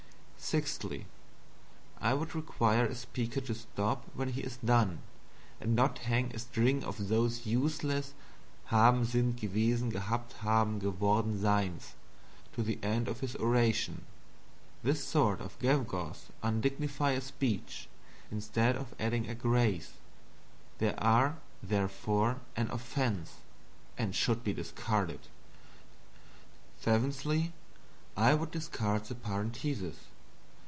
Sixthly, I would require a speaker to stop when he is done, and not hang a string of those useless "haven sind gewesen gehabt haben geworden seins" to the end of his oration. This sort of gewgaws undignify a speech, instead of adding a grace. They are, therefore, an offense, and should be discarded. Seventhly, I would discard the Parenthesis.